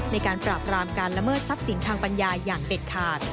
ในการปราบรามการละเมิดทรัพย์สินทางปัญญาอย่างเด็ดขาด